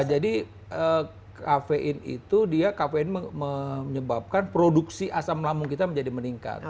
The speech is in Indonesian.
jadi kafein itu dia kafein menyebabkan produksi asam lambung kita menjadi meningkat